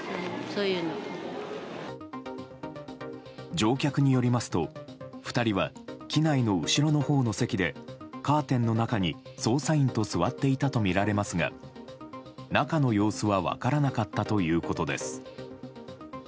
乗客によりますと２人は機内の後ろのほうの席でカーテンの中に、捜査員と座っていたとみられますが中の様子は分からなかったということです。